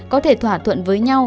có thể thỏa thuận với nhau